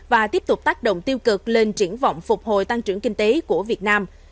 và tiếp tục tác động tiêu cực lên triển vọng phục hồi tăng trưởng kinh tế của việt nam